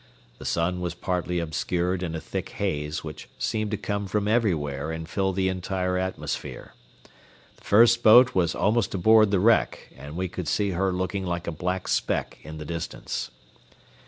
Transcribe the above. The sun was partly obscured in a thick haze which seemed to come from everywhere and fill the entire atmosphere. The first boat was almost aboard the wreck, and we could see her looking like a black speck in the distance.